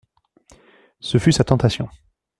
Ce fut sa tentation.